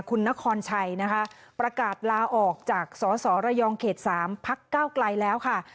คุณนครชัยนะคะประกาศลาออกจากสสระยองเขต๓พักเก้าไกลแล้วค่ะ